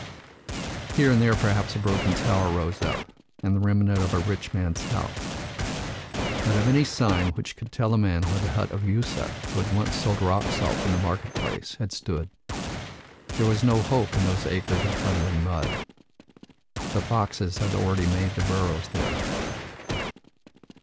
Here and there perhaps a broken tower rose up, the remnant of a rich man's house. But of any sign which could tell a man where the hut of Yusef, who had once sold rock salt in the market place, had stood, there was no hope in those acres of crumbling mud. The foxes had already made their burrows there."